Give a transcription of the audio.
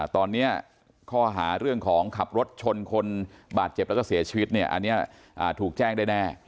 ตอนนี้ข้อหาเรื่องของขับรถชนคนบาดเจ็บแล้วก็เสียชีวิตเนี่ยอันนี้ถูกแจ้งได้แน่